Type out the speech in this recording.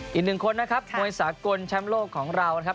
แต่ว่าเรามีความเตรียมพร้อมอย่างเต็มที่อยู่แล้วครับ